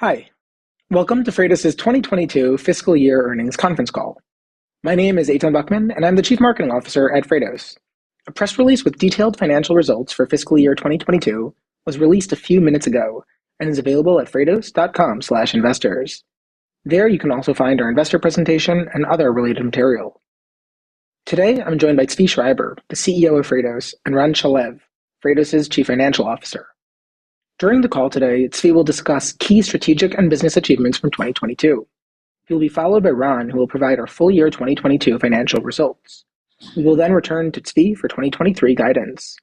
Hi, welcome to Freightos's 2022 Fiscal Year Earnings Conference Call. My name is Eytan Buchman, I'm the Chief Marketing Officer at Freightos. A press release with detailed financial results for fiscal year 2022 was released a few minutes ago and is available at freightos.com/investors. There you can also find our investor presentation and other related material. Today I'm joined by Zvi Schreiber, the CEO of Freightos, and Ran Shalev, Freightos's Chief Financial Officer. During the call today, Zvi will discuss key strategic and business achievements from 2022. He'll be followed by Ran, who will provide our full year 2022 financial results. We will return to Zvi for 2023 guidance.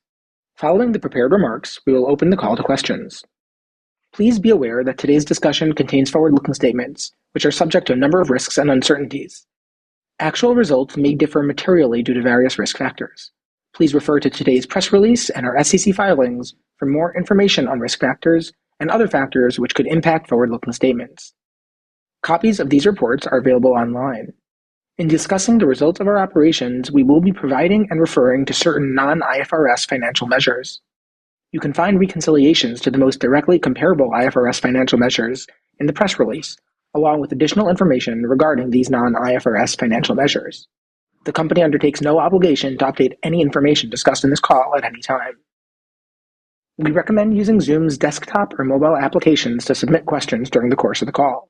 Following the prepared remarks, we will open the call to questions. Please be aware that today's discussion contains forward-looking statements which are subject to a number of risks and uncertainties. Actual results may differ materially due to various risk factors. Please refer to today's press release and our SEC filings for more information on risk factors and other factors which could impact forward-looking statements. Copies of these reports are available online. In discussing the results of our operations, we will be providing and referring to certain non-IFRS financial measures. You can find reconciliations to the most directly comparable IFRS financial measures in the press release, along with additional information regarding these non-IFRS financial measures. The company undertakes no obligation to update any information discussed in this call at any time. We recommend using Zoom's desktop or mobile applications to submit questions during the course of the call.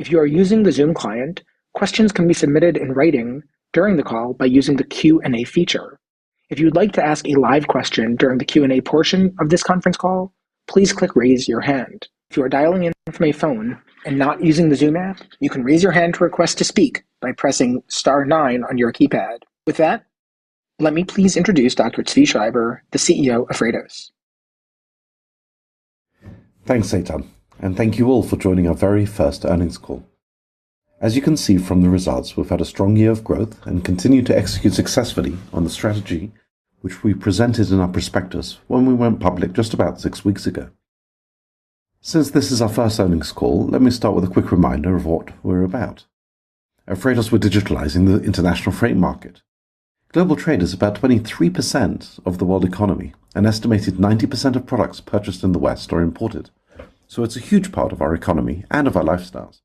If you are using the Zoom client, questions can be submitted in writing during the call by using the Q&A feature. If you'd like to ask a live question during the Q&A portion of this conference call, please click Raise Your Hand. If you are dialing in from a phone and not using the Zoom app, you can raise your hand to request to speak by pressing star nine on your keypad. With that, let me please introduce Dr. Zvi Schreiber, the CEO of Freightos. Thanks, Eytan, thank you all for joining our very first earnings call. As you can see from the results, we've had a strong year of growth and continue to execute successfully on the strategy which we presented in our prospectus when we went public just about six weeks ago. Since this is our first earnings call, let me start with a quick reminder of what we're about. At Freightos, we're digitalizing the international freight market. Global trade is about 23% of the world economy. An estimated 90% of products purchased in the West are imported, so it's a huge part of our economy and of our lifestyles.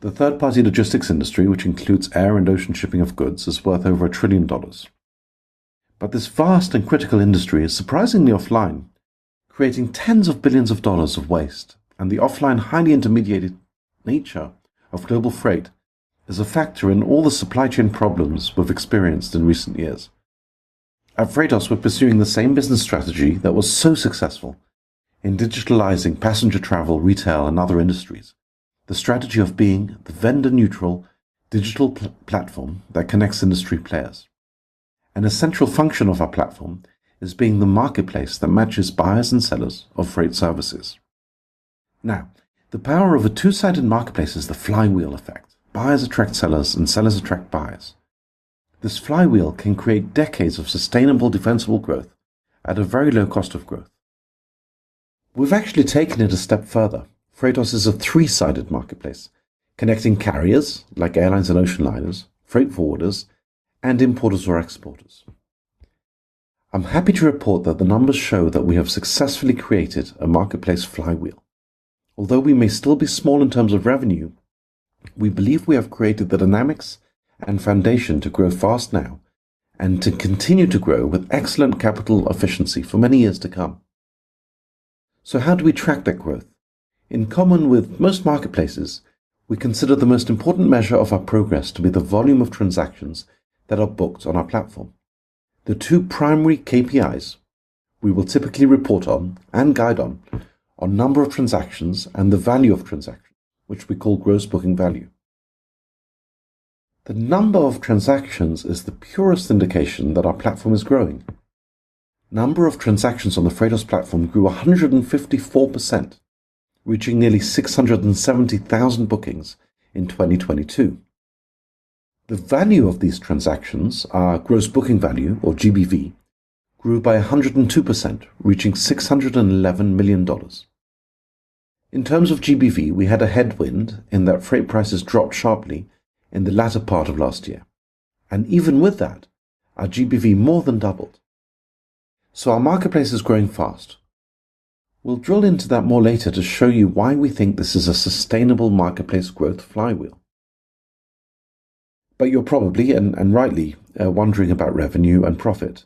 The third-party logistics industry, which includes air and ocean shipping of goods, is worth over $1 trillion. This vast and critical industry is surprisingly offline, creating tens of billions of dollars of waste. The offline, highly intermediated nature of global freight is a factor in all the supply chain problems we've experienced in recent years. At Freightos, we're pursuing the same business strategy that was so successful in digitalizing passenger travel, retail, and other industries. The strategy of being the vendor-neutral digital platform that connects industry players. An essential function of our platform is being the marketplace that matches buyers and sellers of freight services. The power of a two-sided marketplace is the flywheel effect. Buyers attract sellers, and sellers attract buyers. This flywheel can create decades of sustainable defensible growth at a very low cost of growth. We've actually taken it a step further. Freightos is a three-sided marketplace connecting carriers like airlines and ocean liners, freight forwarders, and importers or exporters. I'm happy to report that the numbers show that we have successfully created a marketplace flywheel. Although we may still be small in terms of revenue, we believe we have created the dynamics and foundation to grow fast now and to continue to grow with excellent capital efficiency for many years to come. How do we track that growth? In common with most marketplaces, we consider the most important measure of our progress to be the volume of transactions that are booked on our platform. The two primary KPIs we will typically report on and guide on are number of transactions and the value of transactions, which we call gross booking value. The number of transactions is the purest indication that our platform is growing. Number of transactions on the Freightos platform grew 154%, reaching nearly 670,000 bookings in 2022. The value of these transactions are gross booking value, or GBV, grew by 102%, reaching $611 million. In terms of GBV, we had a headwind in that freight prices dropped sharply in the latter part of last year, and even with that, our GBV more than doubled. Our marketplace is growing fast. We'll drill into that more later to show you why we think this is a sustainable marketplace growth flywheel. You're probably and rightly wondering about revenue and profit.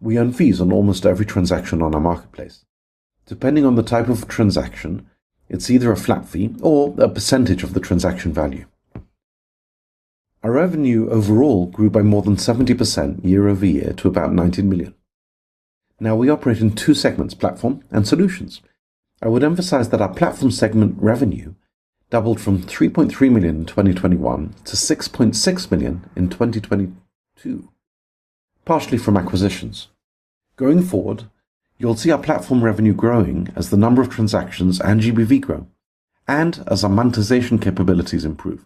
We earn fees on almost every transaction on our marketplace. Depending on the type of transaction, it's either a flat fee or a percentage of the transaction value. Our revenue overall grew by more than 70% year-over-year to about $19 million. Now, we operate in two segments: platform and solutions. I would emphasize that our platform segment revenue doubled from $3.3 million in 2021 to $6.6 million in 2022, partially from acquisitions. Going forward, you'll see our platform revenue growing as the number of transactions and GBV grow and as our monetization capabilities improve.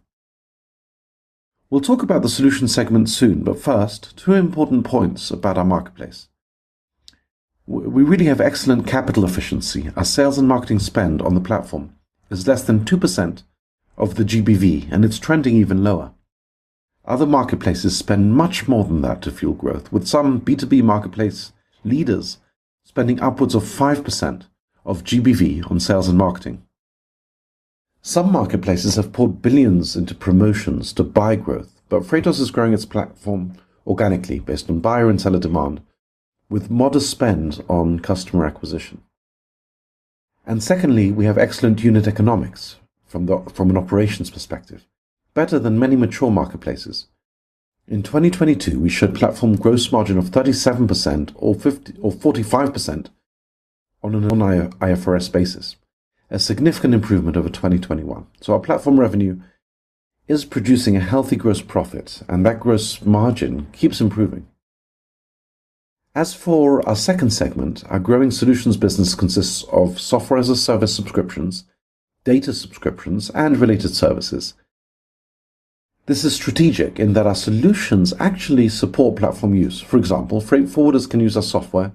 We'll talk about the solution segment soon, but first two important points about our marketplace. We really have excellent capital efficiency. Our sales and marketing spend on the platform is less than 2% of the GBV, and it's trending even lower. Other marketplaces spend much more than that to fuel growth, with some B2B marketplace leaders spending upwards of 5% of GBV on sales and marketing. Some marketplaces have poured billions into promotions to buy growth, but Freightos is growing its platform organically based on buyer and seller demand with modest spend on customer acquisition. Secondly, we have excellent unit economics from an operations perspective, better than many mature marketplaces. In 2022, we showed platform gross margin of 37% or 45% on a non-IFRS basis, a significant improvement over 2021. Our platform revenue is producing a healthy gross profit, and that gross margin keeps improving. As for our second segment, our growing solutions business consists of software as a service subscriptions, data subscriptions, and related services. This is strategic in that our solutions actually support platform use. For example, freight forwarders can use our software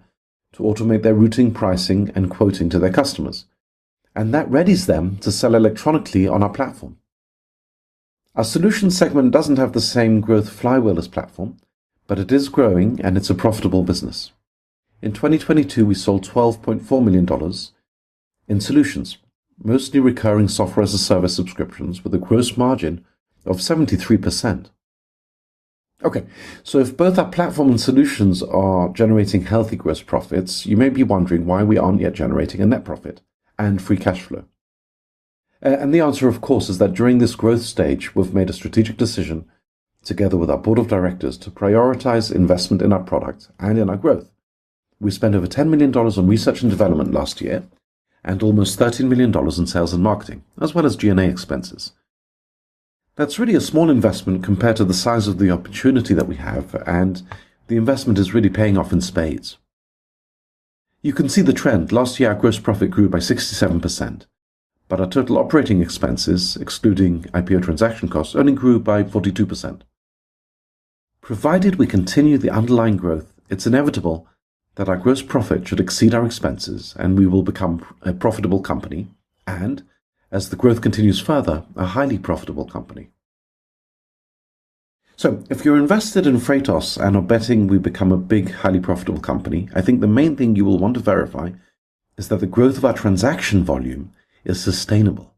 to automate their routing, pricing, and quoting to their customers, and that readies them to sell electronically on our platform. Our solutions segment doesn't have the same growth flywheel as platform, but it is growing, and it's a profitable business. In 2022, we sold $12.4 million in solutions, mostly recurring software as a service subscriptions with a gross margin of 73%. If both our platform and solutions are generating healthy gross profits, you may be wondering why we aren't yet generating a net profit and free cash flow. The answer, of course, is that during this growth stage, we've made a strategic decision together with our board of directors to prioritize investment in our product and in our growth. We spent over $10 million on research and development last year and almost $13 million in sales and marketing, as well as G&A expenses. That's really a small investment compared to the size of the opportunity that we have, and the investment is really paying off in spades. You can see the trend. Last year, our gross profit grew by 67%, but our total operating expenses, excluding IPO transaction costs, only grew by 42%. Provided we continue the underlying growth, it's inevitable that our gross profit should exceed our expenses, and we will become a profitable company and, as the growth continues further, a highly profitable company. If you're invested in Freightos and are betting we become a big, highly profitable company, I think the main thing you will want to verify is that the growth of our transaction volume is sustainable.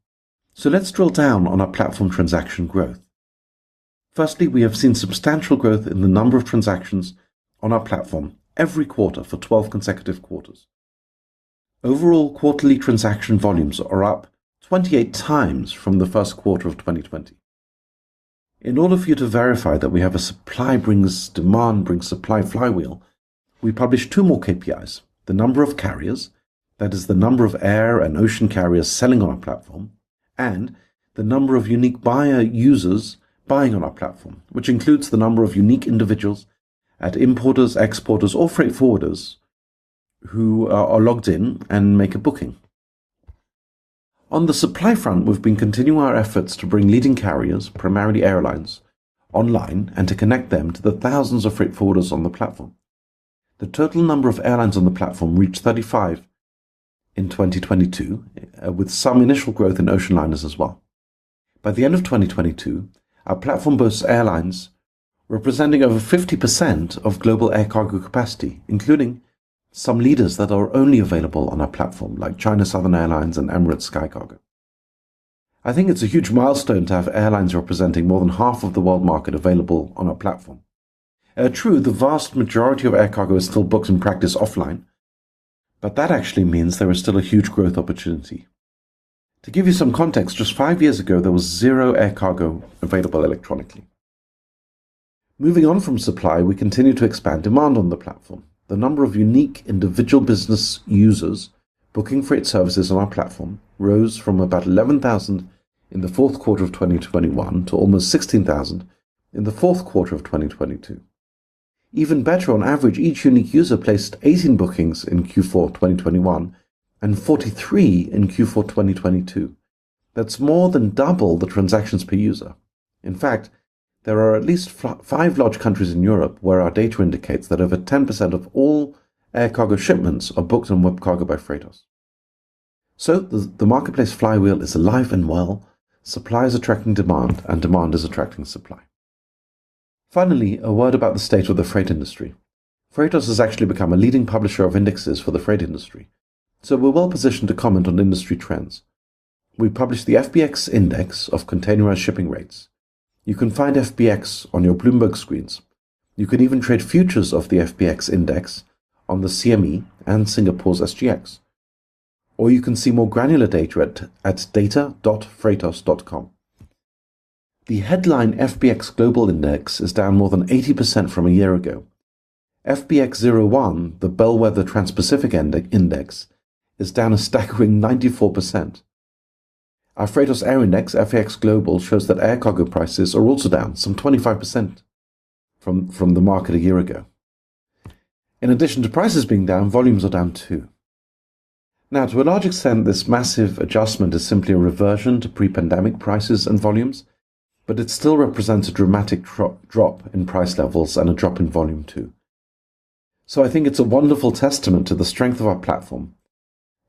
Let's drill down on our platform transaction growth. Firstly, we have seen substantial growth in the number of transactions on our platform every quarter for 12 consecutive quarters. Overall, quarterly transaction volumes are up 28 times from the first quarter of 2020. In order for you to verify that we have a supply brings demand, brings supply flywheel, we publish two more KPIs, the number of carriers, that is the number of air and ocean carriers selling on our platform, and the number of unique buyer users buying on our platform, which includes the number of unique individuals at importers, exporters, or freight forwarders who are logged in and make a booking. On the supply front, we've been continuing our efforts to bring leading carriers, primarily airlines, online and to connect them to the thousands of freight forwarders on the platform. The total number of airlines on the platform reached 35 in 2022, with some initial growth in ocean liners as well. By the end of 2022, our platform boasts airlines representing over 50% of global air cargo capacity, including some leaders that are only available on our platform, like China Southern Airlines and Emirates SkyCargo. I think it's a huge milestone to have airlines representing more than half of the world market available on our platform. True, the vast majority of air cargo is still booked in practice offline, but that actually means there is still a huge growth opportunity. To give you some context, just five years ago, there was zero air cargo available electronically. Moving on from supply, we continue to expand demand on the platform. The number of unique individual business users booking freight services on our platform rose from about 11,000 in the fourth quarter of 2021 to almost 16,000 in the fourth quarter of 2022. Even better, on average, each unique user placed 18 bookings in Q4 2021 and 43 in Q4 2022. That's more than double the transactions per user. In fact, there are at least five large countries in Europe where our data indicates that over 10% of all air cargo shipments are booked on WebCargo by Freightos. The marketplace flywheel is alive and well. Supply is attracting demand, and demand is attracting supply. Finally, a word about the state of the freight industry. Freightos has actually become a leading publisher of indexes for the freight industry, so we're well positioned to comment on industry trends. We publish the FBX index of containerized shipping rates. You can find FBX on your Bloomberg screens. You can even trade futures of the FBX index on the CME and Singapore's SGX. You can see more granular data at data.freightos.com. The headline FBX Global Index is down more than 80% from a year ago. FBX01, the bellwether Transpacific Index, is down a staggering 94%. Our Freightos Air Index, FX Global, shows that air cargo prices are also down some 25% from the market a year ago. In addition to prices being down, volumes are down too. Now, to a large extent, this massive adjustment is simply a reversion to pre-pandemic prices and volumes, but it still represents a dramatic drop in price levels and a drop in volume too. I think it's a wonderful testament to the strength of our platform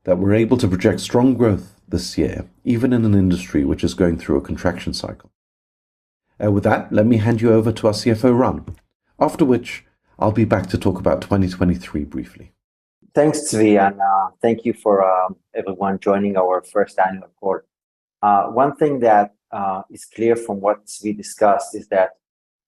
that we're able to project strong growth this year, even in an industry which is going through a contraction cycle. With that, let me hand you over to our CFO, Ran, after which I'll be back to talk about 2023 briefly. Thanks, Zvi. Thank you for everyone joining our first annual report. One thing that is clear from what Zvi discussed is that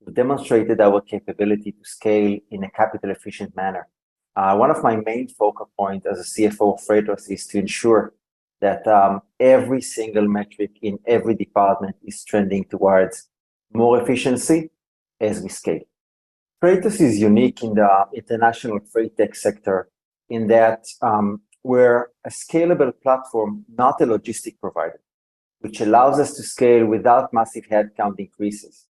we demonstrated our capability to scale in a capital efficient manner. One of my main focal point as a CFO of Freightos is to ensure that every single metric in every department is trending towards more efficiency as we scale. Freightos is unique in the international freight tech sector in that we're a scalable platform, not a logistic provider, which allows us to scale without massive headcount increases.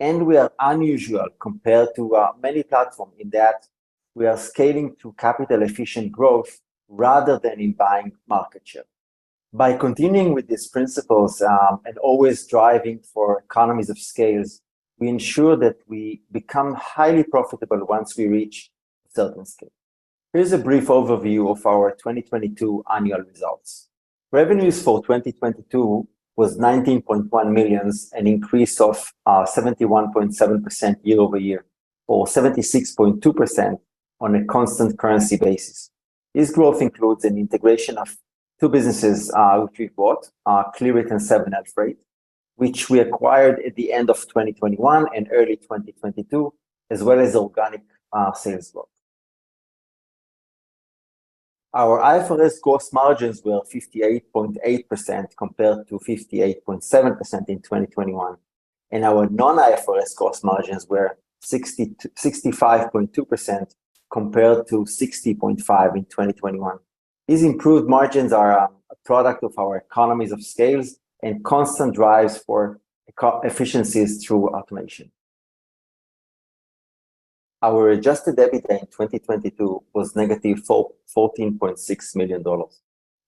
We are unusual compared to a many platform in that we are scaling through capital efficient growth rather than in buying market share. By continuing with these principles, and always driving for economies of scale, we ensure that we become highly profitable once we reach certain scale. Here's a brief overview of our 2022 annual results. Revenues for 2022 was $19.1 million, an increase of 71.7% year-over-year, or 76.2% on a constant currency basis. This growth includes an integration of two businesses, which we bought, Clearit and 7LFreight, which we acquired at the end of 2021 and early 2022, as well as organic sales growth. Our IFRS cost margins were 58.8% compared to 58.7% in 2021, and our non-IFRS cost margins were 60%-65.2% compared to 60.5% in 2021. These improved margins are a product of our economies of scales and constant drives for efficiencies through automation. Our adjusted EBITDA in 2022 was -$14.6 million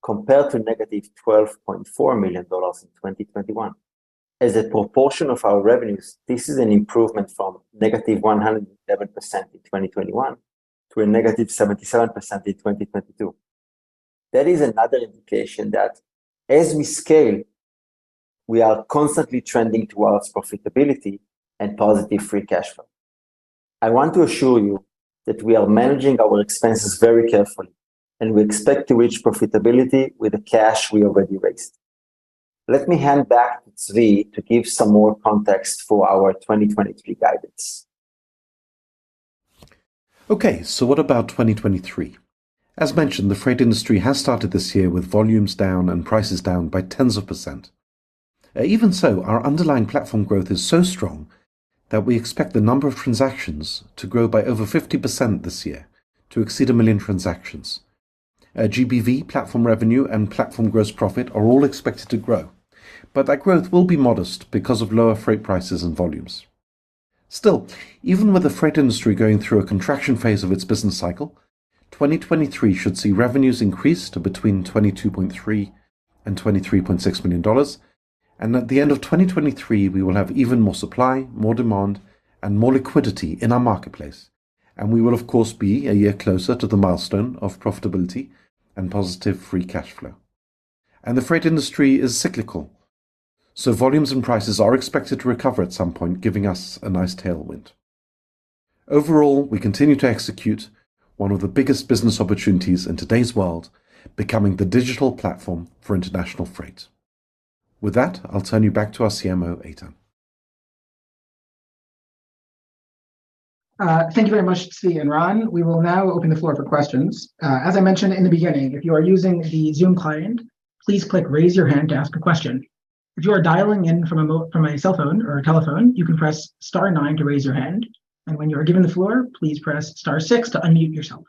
compared to -$12.4 million in 2021. As a proportion of our revenues, this is an improvement from -111% in 2021 to a -77% in 2022. That is another indication that as we scale, we are constantly trending towards profitability and positive free cash flow. I want to assure you that we are managing our expenses very carefully, and we expect to reach profitability with the cash we already raised. Let me hand back to Zvi to give some more context for our 2023 guidance. Okay. What about 2023? As mentioned, the freight industry has started this year with volumes down and prices down by tens of percent. Even so, our underlying platform growth is so strong that we expect the number of transactions to grow by over 50% this year to exceed 1 million transactions. GBV platform revenue and platform gross profit are all expected to grow, but that growth will be modest because of lower freight prices and volumes. Still, even with the freight industry going through a contraction phase of its business cycle, 2023 should see revenues increase to between $22.3 million and $23.6 million. At the end of 2023, we will have even more supply, more demand, and more liquidity in our marketplace, and we will of course, be a year closer to the milestone of profitability and positive free cash flow. The freight industry is cyclical, so volumes and prices are expected to recover at some point, giving us a nice tailwind. Overall, we continue to execute one of the biggest business opportunities in today's world, becoming the digital platform for international freight. With that, I'll turn you back to our CMO, Eytan. Thank you very much, Zvi and Ran. We will now open the floor for questions. As I mentioned in the beginning, if you are using the Zoom client, please click raise your hand to ask a question. If you are dialing in from a cell phone or a telephone, you can press star nine to raise your hand, and when you are given the floor, please press star six to unmute yourself.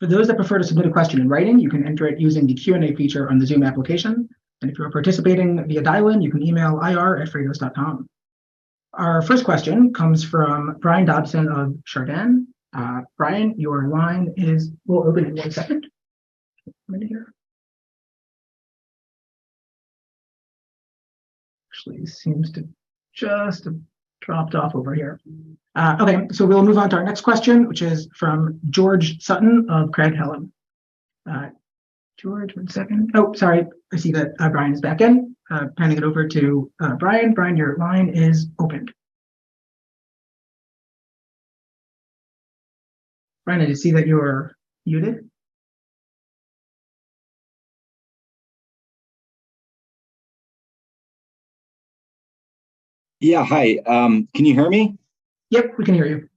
For those that prefer to submit a question in writing, you can enter it using the Q&A feature on the Zoom application. If you are participating via dial-in, you can email ir@freightos.com. Our first question comes from Brian Dobson of Chardan. Brian, your line We'll open in one second. Right here. Actually seems to just have dropped off over here. Okay, we'll move on to our next question, which is from George Sutton of Craig-Hallum. George, one second. Oh, sorry, I see that Brian's back in. Handing it over to Brian. Brian, your line is opened. Brian, I see that you're muted. Yeah, hi. Can you hear me? Yep, we can hear you.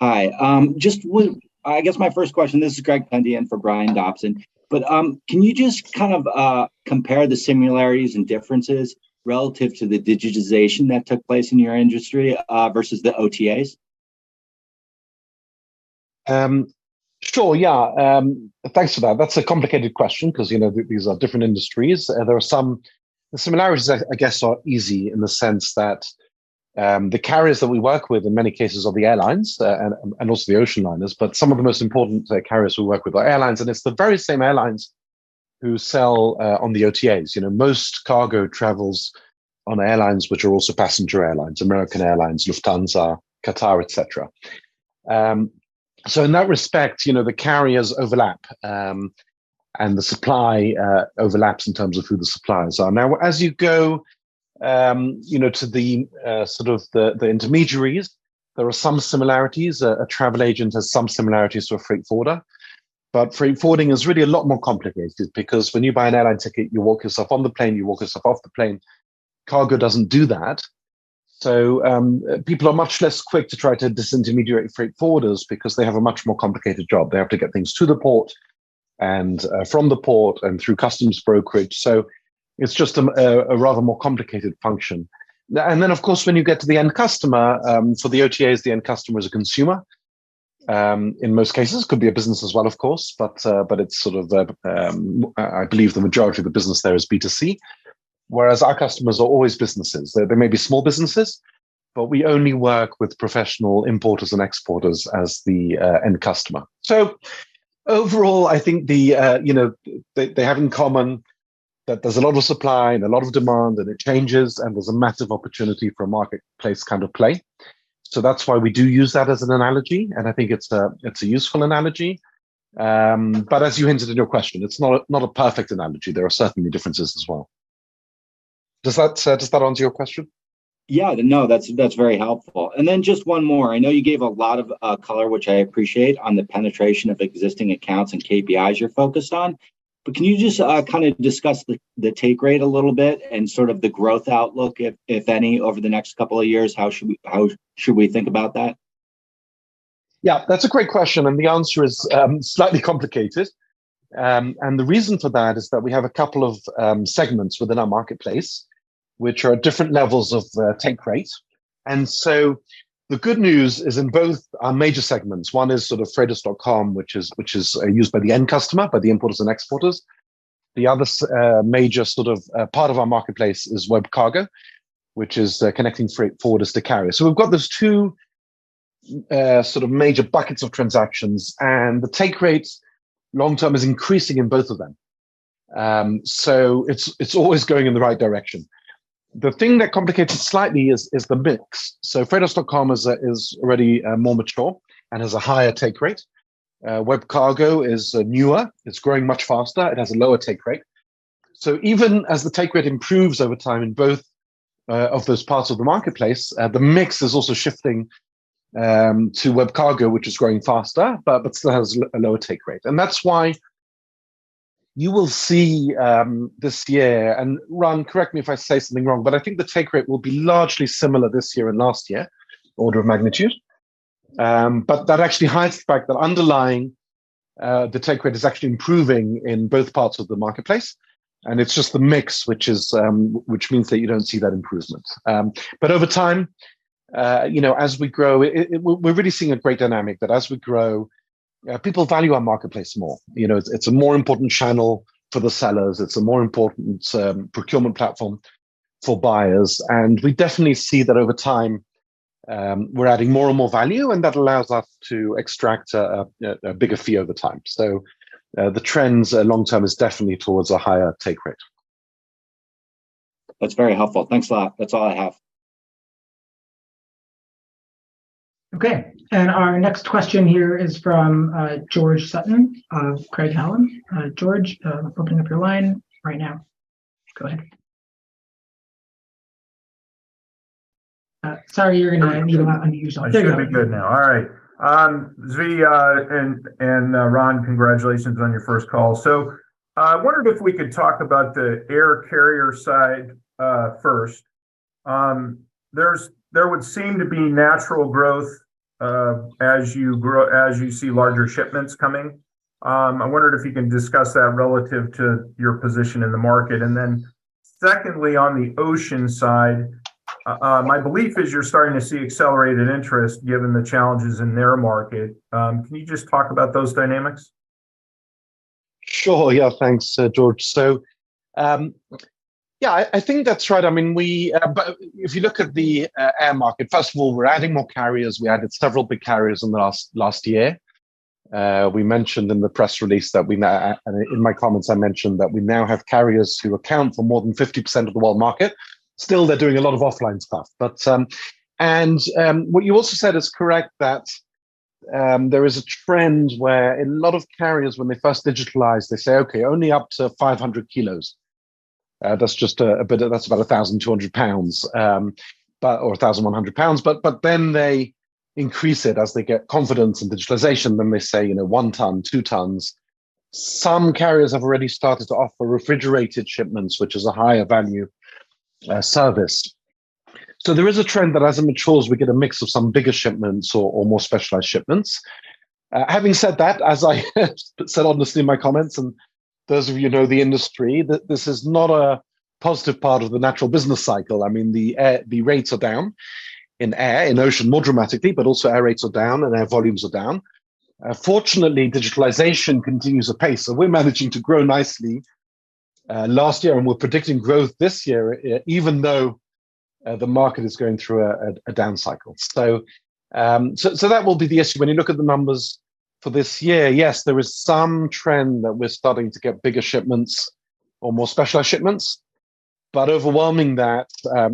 Hi. I guess my first question, this is Greg Pendy and for Brian Dobson. Can you just kind of compare the similarities and differences relative to the digitization that took place in your industry versus the OTAs? Sure. Yeah. Thanks for that. That's a complicated question 'cause, you know, these are different industries. There are some... The similarities, I guess, are easy in the sense that, the carriers that we work with in many cases are the airlines, and also the ocean liners, but some of the most important carriers we work with are airlines, and it's the very same airlines Who sell on the OTAs. You know, most cargo travels on airlines which are also passenger airlines, American Airlines, Lufthansa, Qatar, et cetera. In that respect, you know, the carriers overlap and the supply overlaps in terms of who the suppliers are. As you go, you know, to the sort of the intermediaries, there are some similarities. A travel agent has some similarities to a freight forwarder, but freight forwarding is really a lot more complicated. When you buy an airline ticket, you walk yourself on the plane, you walk yourself off the plane. Cargo doesn't do that. People are much less quick to try to disintermediate freight forwarders because they have a much more complicated job. They have to get things to the port and from the port and through customs brokerage. It's just a rather more complicated function. Then of course, when you get to the end customer, for the OTAs, the end customer is a consumer, in most cases. Could be a business as well, of course, but it's sort of the. I believe the majority of the business there is B2C, whereas our customers are always businesses. They, they may be small businesses, but we only work with professional importers and exporters as the end customer. Overall, I think the, you know, they have in common that there's a lot of supply and a lot of demand, and it changes, and there's a massive opportunity for a marketplace kind of play. That's why we do use that as an analogy, and I think it's a, it's a useful analogy. As you hinted in your question, it's not a perfect analogy. There are certainly differences as well. Does that answer your question? Yeah. No, that's very helpful. Just one more. I know you gave a lot of color, which I appreciate, on the penetration of existing accounts and KPIs you're focused on. Can you just kind of discuss the take rate a little bit and sort of the growth outlook if any, over the next couple of years? How should we think about that? Yeah, that's a great question, and the answer is, slightly complicated. The reason for that is that we have a couple of segments within our marketplace, which are at different levels of take rate. The good news is in both our major segments. One is sort of freightos.com, which is used by the end customer, by the importers and exporters. The other major sort of part of our marketplace is WebCargo, which is connecting freight forwarders to carriers. We've got those two sort of major buckets of transactions, and the take rate long-term is increasing in both of them. It's, it's always going in the right direction. The thing that complicates it slightly is the mix. freightos.com is already more mature and has a higher take rate. WebCargo is newer. It's growing much faster. It has a lower take rate. Even as the take rate improves over time in both of those parts of the marketplace, the mix is also shifting to WebCargo, which is growing faster but still has a lower take rate. That's why you will see this year... Ran, correct me if I say something wrong, but I think the take rate will be largely similar this year and last year, order of magnitude. That actually hides the fact that underlying the take rate is actually improving in both parts of the marketplace, and it's just the mix, which means that you don't see that improvement. Over time, you know, as we grow... We're really seeing a great dynamic that as we grow, people value our marketplace more. You know, it's a more important channel for the sellers. It's a more important procurement platform for buyers. We definitely see that over time, we're adding more and more value, and that allows us to extract a bigger fee over time. The trends long-term is definitely towards a higher take rate. That's very helpful. Thanks a lot. That's all I have. Okay. Our next question here is from George Sutton of Craig-Hallum. George, opening up your line right now. Go ahead. Sorry, you're gonna need a lot unusual. There you go. Should be good now. All right. Zvi, and Ran, congratulations on your first call. Wondered if we could talk about the air carrier side, first. There would seem to be natural growth, as you grow, as you see larger shipments coming. I wondered if you can discuss that relative to your position in the market. Secondly, on the ocean side, my belief is you're starting to see accelerated interest given the challenges in their market. Can you just talk about those dynamics? Sure, yeah. Thanks, George. I think that's right. If you look at the air market, first of all, we're adding more carriers. We added several big carriers in the last year. In my comments I mentioned that we now have carriers who account for more than 50% of the world market. Still, they're doing a lot of offline stuff. What you also said is correct, that there is a trend where a lot of carriers when they first digitalize, they say, "Okay, only up to 500 kilos." That's just a bit. That's about 1,200 pounds, or 1,100 pounds. They increase it as they get confidence in digitalization. They say, you know, 1 ton, 2 tons. Some carriers have already started to offer refrigerated shipments, which is a higher value service. There is a trend that as it matures, we get a mix of some bigger shipments or more specialized shipments. Having said that, as I said honestly in my comments, and those of you who know the industry, this is not a positive part of the natural business cycle. I mean, the air, the rates are down in air. In ocean, more dramatically, but also our rates are down and our volumes are down. Fortunately, digitalization continues apace, so we're managing to grow nicely last year, and we're predicting growth this year even though the market is going through a down cycle. That will be the issue. When you look at the numbers for this year, yes, there is some trend that we're starting to get bigger shipments or more specialized shipments, but overwhelming that,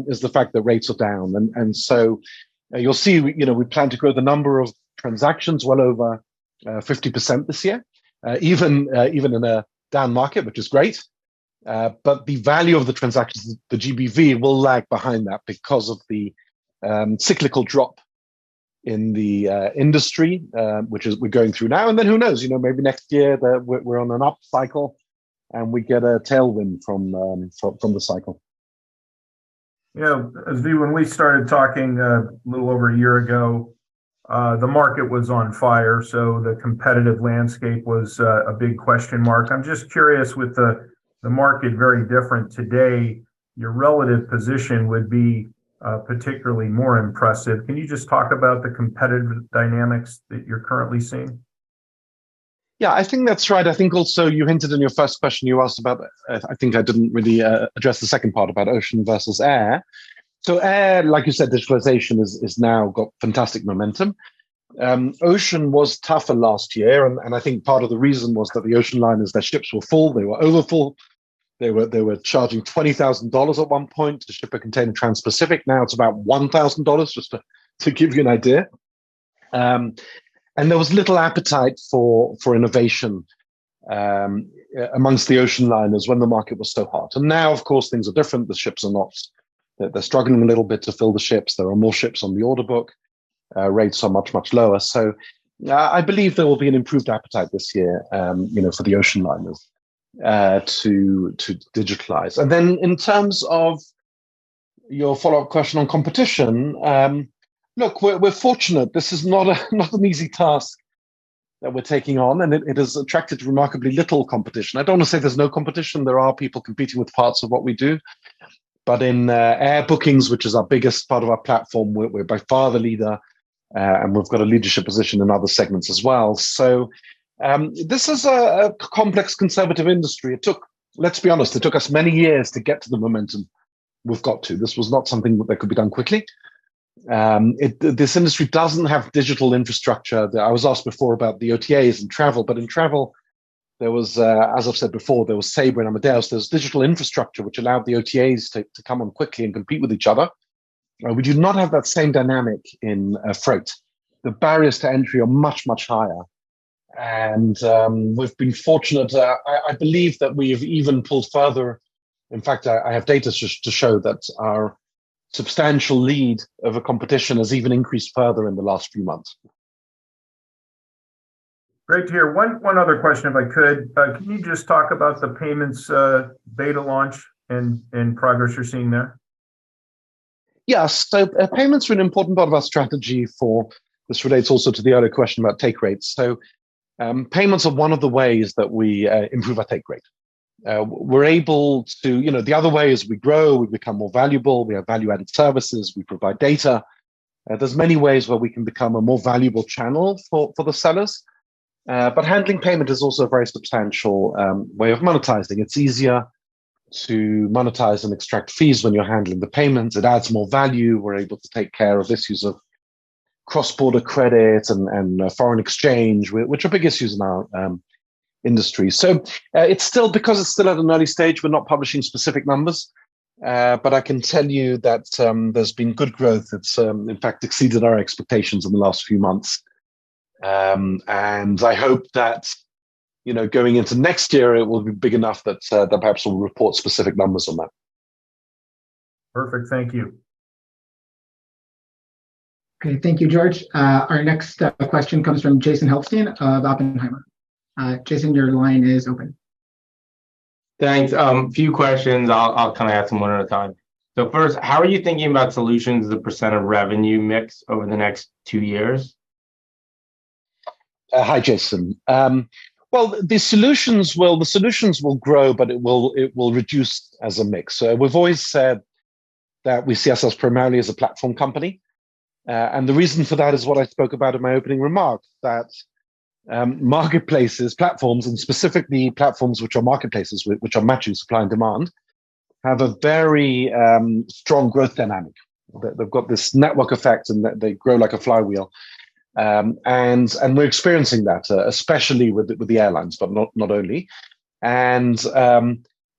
is the fact that rates are down. You'll see, we, you know, we plan to grow the number of transactions well over 50% this year, even in a down market, which is great. The value of the transactions, the GBV, will lag behind that because of the cyclical drop in the industry, which is we're going through now. Who knows? You know, maybe next year we're on an up cycle, and we get a tailwind from the cycle. You know, Zvi, when we started talking a little over a year ago, the market was on fire. The competitive landscape was a big question mark. I'm just curious with the market very different today, your relative position would be particularly more impressive. Can you just talk about the competitive dynamics that you're currently seeing? Yeah, I think that's right. I think also you hinted in your first question you asked about it. I think I didn't really address the second part about ocean versus air. Air, like you said, digitalization has now got fantastic momentum. Ocean was tougher last year, and I think part of the reason was that the ocean liners, their ships were full. They were overfull. They were charging $20,000 at one point to ship a container transpacific. Now it's about $1,000, just to give you an idea. There was little appetite for innovation amongst the ocean liners when the market was so hot. Now, of course, things are different. The ships are not... They're struggling a little bit to fill the ships. There are more ships on the order book. Rates are much, much lower. I believe there will be an improved appetite this year, you know, for the ocean liners to digitalize. In terms of your follow-up question on competition, look, we're fortunate. This is not an easy task that we're taking on, and it has attracted remarkably little competition. I don't wanna say there's no competition. There are people competing with parts of what we do. In air bookings, which is our biggest part of our platform, we're by far the leader, and we've got a leadership position in other segments as well. This is a complex conservative industry. Let's be honest. It took us many years to get to the momentum we've got to. This was not something that could be done quickly. This industry doesn't have digital infrastructure. I was asked before about the OTAs in travel, in travel there was, as I've said before, there was Sabre and Amadeus. There's digital infrastructure which allowed the OTAs to come on quickly and compete with each other. We do not have that same dynamic in freight. The barriers to entry are much, much higher. We've been fortunate. I believe that we've even pulled further. In fact, I have data to show that our substantial lead over competition has even increased further in the last few months. Great to hear. One other question, if I could. Can you just talk about the payments, beta launch and progress you're seeing there? Yeah. Payments are an important part of our strategy. This relates also to the earlier question about take rates. Payments are one of the ways that we improve our take rate. You know, the other way is we grow, we become more valuable, we have value-added services, we provide data. There's many ways where we can become a more valuable channel for the sellers. Handling payment is also a very substantial way of monetizing. It's easier to monetize and extract fees when you're handling the payments. It adds more value. We're able to take care of issues of cross-border credit and foreign exchange, which are big issues in our industry. Because it's still at an early stage, we're not publishing specific numbers. I can tell you that there's been good growth. It's, in fact, exceeded our expectations in the last few months. I hope that, you know, going into next year, it will be big enough that perhaps we'll report specific numbers on that. Perfect. Thank you. Thank you, George. Our next question comes from Jason Helfstein of Oppenheimer. Jason, your line is open. Thanks. A few questions. I'll kind of ask them one at a time. First, how are you thinking about solutions as a percent of revenue mix over the next two years? Hi, Jason. Well, the solutions will grow, but it will reduce as a mix. We've always said that we see ourselves primarily as a platform company. The reason for that is what I spoke about in my opening remarks, that, marketplaces, platforms, and specifically platforms which are marketplaces which are matching supply and demand, have a very, strong growth dynamic. They've got this network effect, and they grow like a flywheel. And we're experiencing that, especially with the airlines, but not only.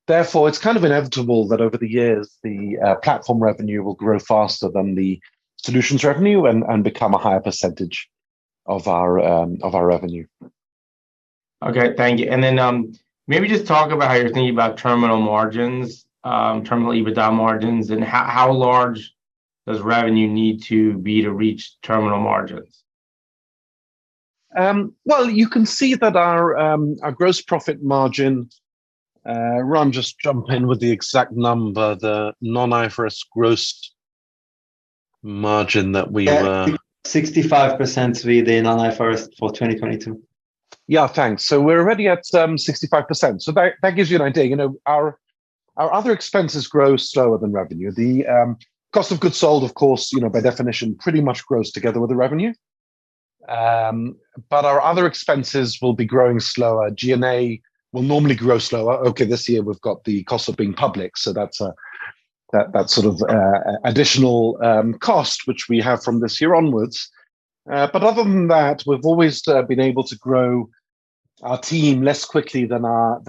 Therefore, it's kind of inevitable that over the years, the platform revenue will grow faster than the solutions revenue and become a higher percentage of our revenue. Okay. Thank you. Maybe just talk about how you're thinking about terminal margins, terminal EBITDA margins, and how large does revenue need to be to reach terminal margins? You can see that our gross profit margin, Ran, just jump in with the exact number, the non-IFRS gross margin. 65%, Zvi, the non-IFRS for 2022. Yeah. Thanks. We're already at 65%, that gives you an idea. You know, our other expenses grow slower than revenue. The cost of goods sold, of course, you know, by definition, pretty much grows together with the revenue. Our other expenses will be growing slower. G&A will normally grow slower. Okay, this year we've got the cost of being public, that's that sort of additional cost which we have from this year onwards. Other than that, we've always been able to grow our team less quickly than our,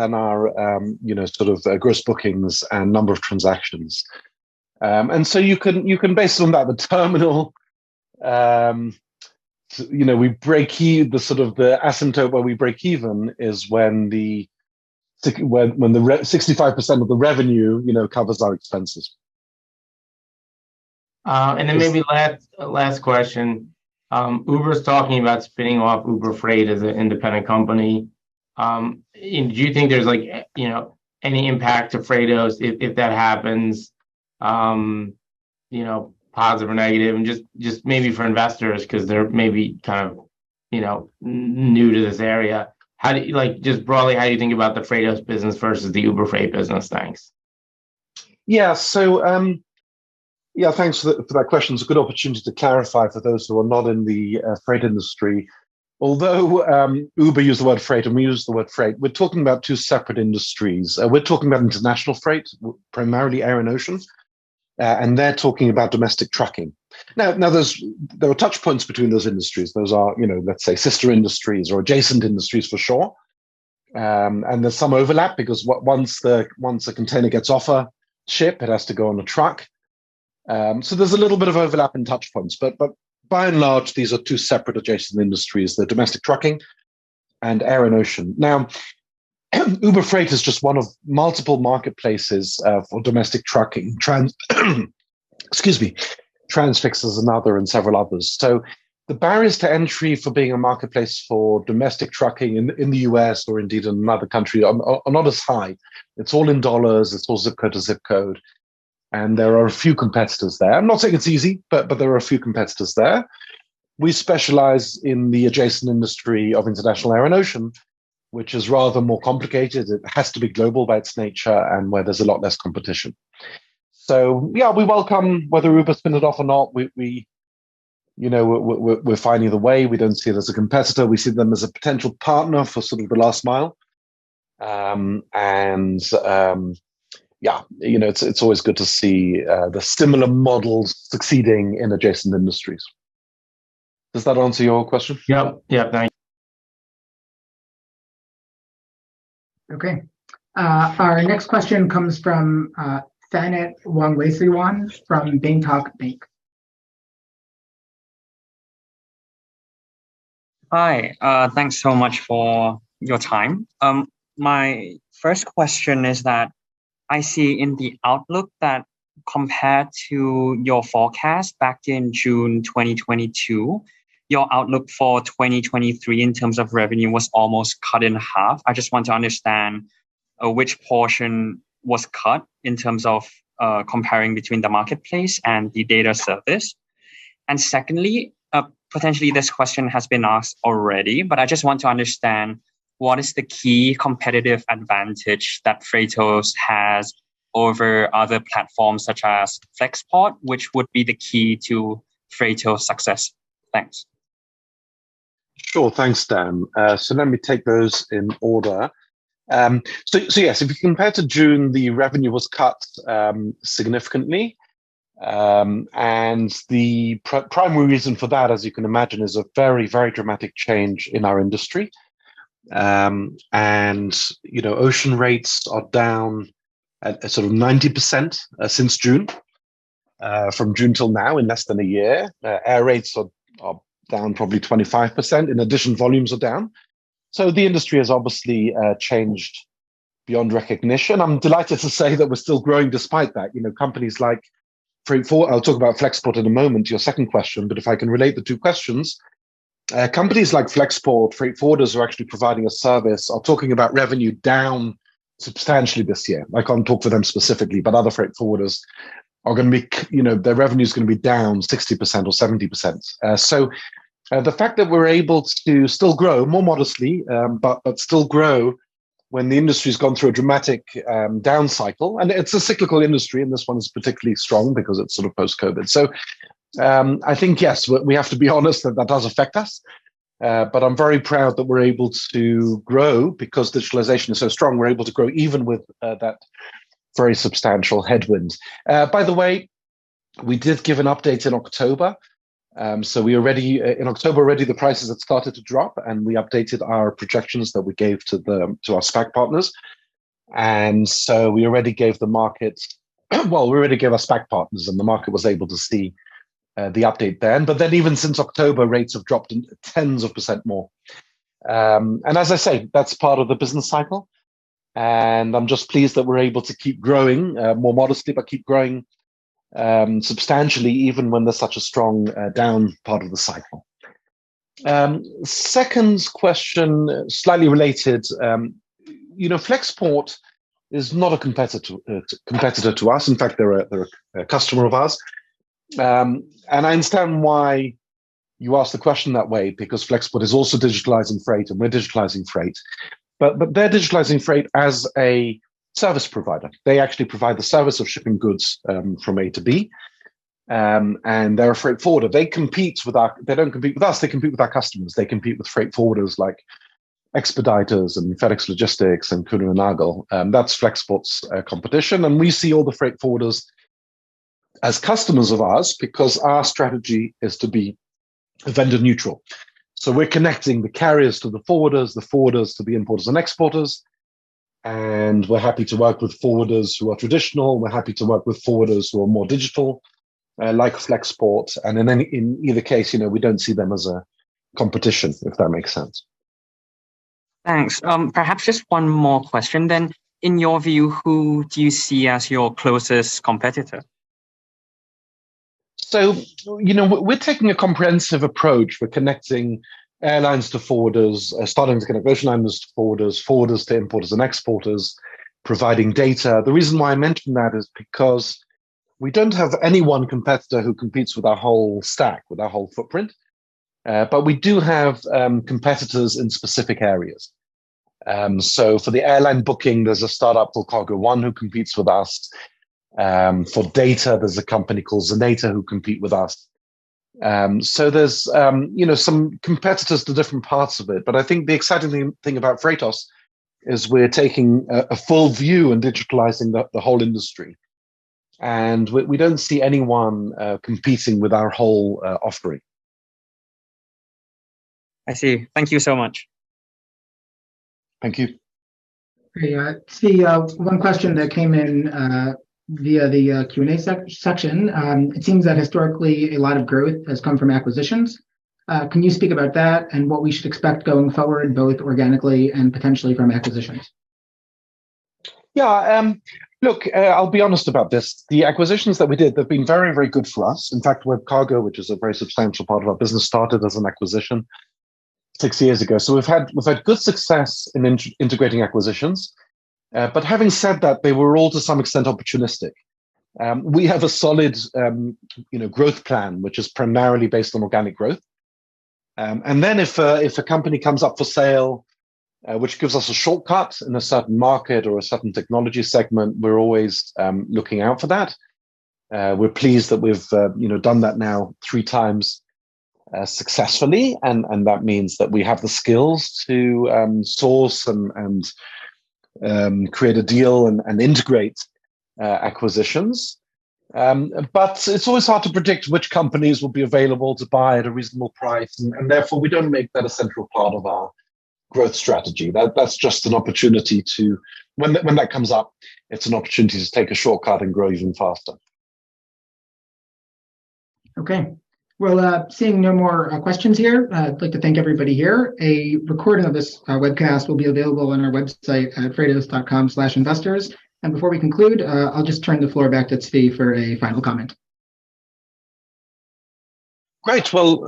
you know, sort of gross bookings and number of transactions. You can base on that the terminal. You know, we break even, the sort of the asymptote where we break even is when 65% of the revenue, you know, covers our expenses. Then maybe last question. Uber's talking about spinning off Uber Freight as an independent company. Do you think there's like, you know, any impact to Freightos if that happens, you know, positive or negative? Just maybe for investors 'cause they're maybe kind of, you know, new to this area. Like, just broadly, how do you think about the Freightos business versus the Uber Freight business? Thanks. Yeah. Yeah, thanks for the, for that question. It's a good opportunity to clarify for those who are not in the freight industry. Although, Uber use the word freight and we use the word freight, we're talking about two separate industries. We're talking about international freight, primarily air and ocean, and they're talking about domestic trucking. There are touch points between those industries. Those are, you know, let's say sister industries or adjacent industries for sure. There's some overlap because once the, once the container gets off a ship, it has to go on a truck. There's a little bit of overlap in touch points. By and large, these are two separate adjacent industries, the domestic trucking and air and ocean. Uber Freight is just one of multiple marketplaces for domestic trucking. Excuse me. Transfix is another and several others. The barriers to entry for being a marketplace for domestic trucking in the U.S. or indeed another country are not as high. It's all in dollars. It's all zip code to zip code, and there are a few competitors there. I'm not saying it's easy, but there are a few competitors there. We specialize in the adjacent industry of international air and ocean, which is rather more complicated. It has to be global by its nature and where there's a lot less competition. Yeah, we welcome whether Uber spin it off or not. We, you know, we're finding the way. We don't see it as a competitor. We see them as a potential partner for sort of the last mile. Yeah, you know, it's always good to see the similar models succeeding in adjacent industries. Does that answer your question? Yep. Yep. Thanks. Okay. Our next question comes from Thanat Wongwaisayawan from Bangkok Bank. Hi. Thanks so much for your time. My first question is that I see in the outlook that compared to your forecast back in June 2022, your outlook for 2023 in terms of revenue was almost cut in half. I just want to understand which portion was cut in terms of comparing between the marketplace and the data service. Secondly, potentially this question has been asked already, but I just want to understand what is the key competitive advantage that Freightos has over other platforms such as Flexport, which would be the key to Freightos success? Thanks. Sure. Thanks, Thanat. Let me take those in order. Yes, if you compare to June, the revenue was cut significantly. The primary reason for that, as you can imagine, is a very, very dramatic change in our industry. You know, ocean rates are down at sort of 90% since June. From June till now in less than a year. Air rates are down probably 25%. In addition, volumes are down. The industry has obviously changed beyond recognition. I'm delighted to say that we're still growing despite that. You know, companies like. I'll talk about Flexport in a moment, your second question, but if I can relate the two questions. Companies like Flexport, freight forwarders who are actually providing a service are talking about revenue down substantially this year. I can't talk for them specifically, but other freight forwarders are gonna be you know, their revenue is gonna be down 60% or 70%. The fact that we're able to still grow more modestly, but still grow when the industry's gone through a dramatic down cycle, and it's a cyclical industry, and this one's particularly strong because it's sort of post-COVID. I think, yes, we have to be honest that that does affect us. I'm very proud that we're able to grow because digitalization is so strong, we're able to grow even with that very substantial headwinds. By the way, we did give an update in October. We already in October already, the prices had started to drop, and we updated our projections that we gave to the, to our SPAC partners. We already gave the market... Well, we already gave our SPAC partners, and the market was able to see the update then. Even since October, rates have dropped tens of percent more. As I say, that's part of the business cycle. I'm just pleased that we're able to keep growing more modestly, but keep growing substantially even when there's such a strong down part of the cycle. Second question, slightly related. You know, Flexport is not a competitor to us. In fact, they're a customer of ours. I understand why you asked the question that way because Flexport is also digitalizing freight and we're digitalizing freight. They're digitalizing freight as a service provider. They actually provide the service of shipping goods from A to B. They're a freight forwarder. They don't compete with us, they compete with our customers. They compete with freight forwarders like Expeditors and FedEx Logistics and Kuehne + Nagel. That's Flexport's competition. We see all the freight forwarders as customers of ours because our strategy is to be vendor neutral. We're connecting the carriers to the forwarders, the forwarders to the importers and exporters. We're happy to work with forwarders who are traditional, we're happy to work with forwarders who are more digital, like Flexport. In either case, you know, we don't see them as a competition, if that makes sense. Thanks. Perhaps just one more question. In your view, who do you see as your closest competitor? You know, we're taking a comprehensive approach. We're connecting airlines to forwarders. Starting to connect airlines to forwarders to importers and exporters, providing data. The reason why I mention that is because we don't have any one competitor who competes with our whole stack, with our whole footprint. We do have competitors in specific areas. For the airline booking, there's a startup called cargo.one who competes with us. For data, there's a company called Xeneta who compete with us. There's, you know, some competitors to different parts of it. I think the exciting thing about Freightos is we're taking a full view in digitalizing the whole industry. We, we don't see anyone competing with our whole offering. I see. Thank you so much. Thank you. Great. I see, one question that came in, via the, Q&A section. It seems that historically a lot of growth has come from acquisitions. Can you speak about that and what we should expect going forward, both organically and potentially from acquisitions? Yeah. Look, I'll be honest about this. The acquisitions that we did have been very, very good for us. In fact, WebCargo, which is a very substantial part of our business, started as an acquisition six years ago. We've had good success in integrating acquisitions. Having said that, they were all to some extent opportunistic. We have a solid, you know, growth plan, which is primarily based on organic growth. Then if a company comes up for sale, which gives us a shortcut in a certain market or a certain technology segment, we're always looking out for that. We're pleased that we've, you know, done that now three times successfully. That means that we have the skills to source and create a deal and integrate acquisitions. It's always hard to predict which companies will be available to buy at a reasonable price, and therefore, we don't make that a central part of our growth strategy. That's just an opportunity. When that comes up, it's an opportunity to take a shortcut and grow even faster. Okay. Well, seeing no more questions here, I'd like to thank everybody here. A recording of this webcast will be available on our website at freightos.com/investors. Before we conclude, I'll just turn the floor back to Zvi for a final comment. Great. Well,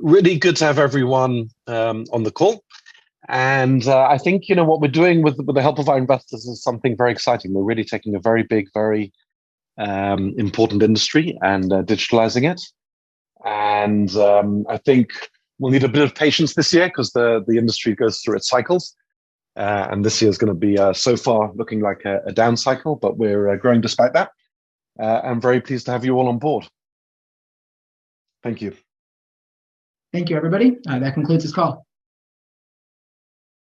really good to have everyone on the call. I think, you know, what we're doing with the help of our investors is something very exciting. We're really taking a very big, very important industry and digitalizing it. I think we'll need a bit of patience this year 'cause the industry goes through its cycles. This year's gonna be so far looking like a down cycle, but we're growing despite that. I'm very pleased to have you all on board. Thank you. Thank you, everybody. That concludes this call.